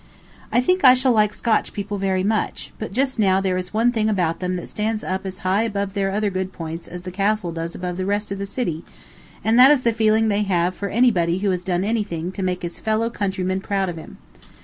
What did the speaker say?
I think I shall like the Scotch people very much, but just now there is one thing about them that stands up as high above their other good points as the castle does above the rest of the city, and that is the feeling they have for anybody who has done anything to make his fellow countrymen proud of him.